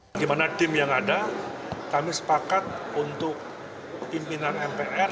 bagaimana tim yang ada kami sepakat untuk pimpinan mpr